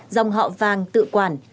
dòng họ vàng tự quản